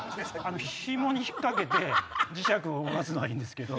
紐に引っかけて磁石を動かすのはいいんですけど。